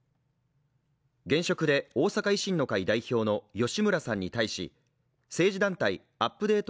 現職で大阪維新の会代表の吉村さんに対し政治団体アップデート